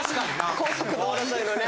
高速道路沿いのね